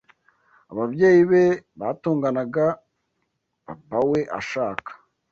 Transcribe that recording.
ababyeyi be batonganaga Papa we ashaka